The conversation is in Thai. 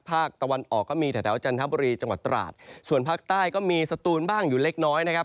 ภาคตะวันออกก็มีแถวจันทบุรีจังหวัดตราดส่วนภาคใต้ก็มีสตูนบ้างอยู่เล็กน้อยนะครับ